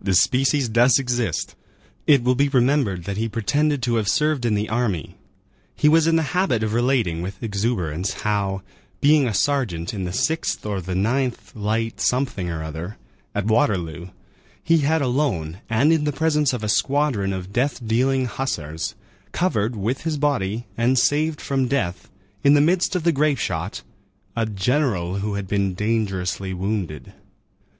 The species does exist. It will be remembered that he pretended to have served in the army; he was in the habit of relating with exuberance, how, being a sergeant in the 6th or the 9th light something or other, at Waterloo, he had alone, and in the presence of a squadron of death dealing hussars, covered with his body and saved from death, in the midst of the grape shot, "a general, who had been dangerously wounded."